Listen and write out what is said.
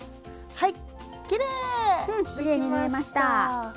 はい。